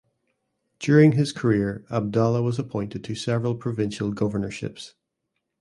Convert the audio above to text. During his career Abdallah was appointed to several provincial governorships.